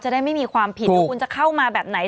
ได้ไม่มีความผิดว่าคุณจะเข้ามาแบบไหน